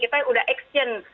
kita sudah action